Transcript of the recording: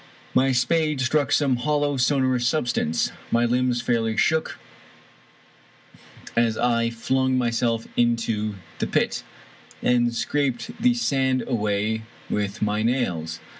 My spade struck some hollow, sonorous substance. My limbs fairly shook as I flung myself into the pit, and scraped the sand away with my nails.